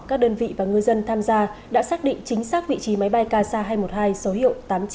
các đơn vị và người dân tham gia đã xác định chính xác vị trí máy bay casa hai trăm một mươi hai số hiệu tám nghìn chín trăm tám mươi ba